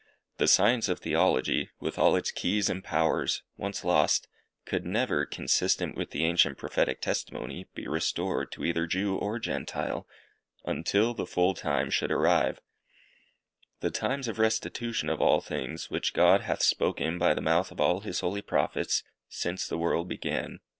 The science of Theology, with all its keys and powers, once lost, could never, consistent with the ancient Prophetic testimony, be restored to either Jew or Gentile, until the full time should arrive "_The times of restitution of all things, which God hath spoken by the mouth of all his holy prophets, since the world began_."